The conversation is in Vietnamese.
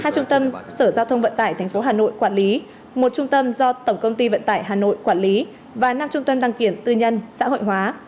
hai trung tâm sở giao thông vận tải tp hà nội quản lý một trung tâm do tổng công ty vận tải hà nội quản lý và năm trung tâm đăng kiểm tư nhân xã hội hóa